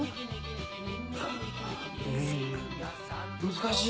難しい？